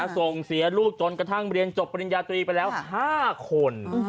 ส่งเสียลูกจนกระทั่งเรียนจบปริญญาตรีไปแล้ว๕คน